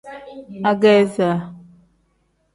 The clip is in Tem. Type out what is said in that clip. Ageeza.